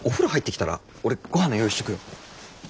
俺ごはんの用意しとくよ。